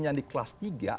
yang di kelas tiga